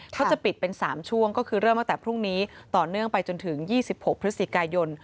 เขาจะปิดเป็น๓ช่วงก็คือเริ่มตั้งแต่พรุ่งนี้ต่อเนื่องไปจนถึง๒๖พฤศจิกายน